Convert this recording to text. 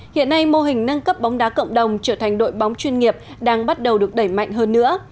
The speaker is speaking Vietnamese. hiện nay mô hình nâng cấp bóng đá cộng đồng trở thành đội bóng chuyên nghiệp đang bắt đầu được đẩy mạnh hơn nữa